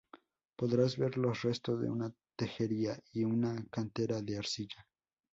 Podrás ver los restos de una tejería y una cantera de arcilla.